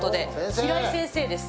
平井先生です。